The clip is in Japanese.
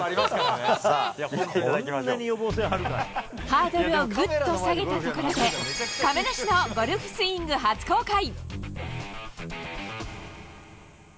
さあ、ハードルをぐっと下げたところで、亀梨のゴルフスイング初公開。